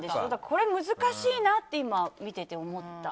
これは難しいなって今、見ていて思った。